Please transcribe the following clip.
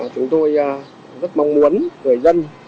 chúng tôi rất mong muốn người dân